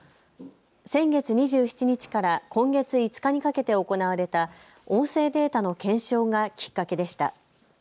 先月２７日から今月５日にかけて行われた音声データの検証がきっかけでした。